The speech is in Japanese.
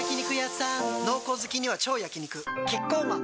濃厚好きには超焼肉キッコーマン